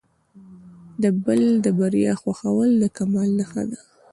د بل د بریا خوښول د کمال نښه ده.